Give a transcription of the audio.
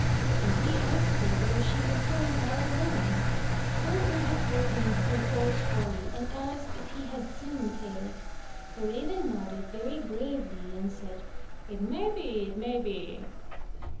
And he asked her where she was going all alone. So Gerda told him her whole story, and asked if he had seen Kay. The Raven nodded very gravely, and said, "It may be — ^it may be!"